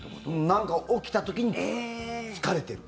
なんか起きた時に疲れてる。